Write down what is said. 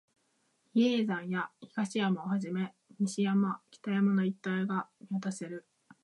比叡山や東山をはじめ、西山、北山の一帯が見渡せる